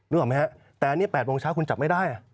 ออกไหมฮะแต่อันนี้๘โมงเช้าคุณจับไม่ได้